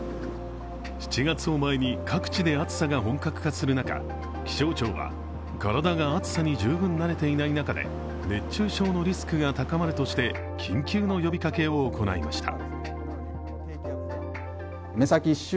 ７月を前に各地で暑さが本格化する中、気象庁は体が暑さに十分慣れていない中で熱中症のリスクが高まるとして緊急の呼びかけを行いました。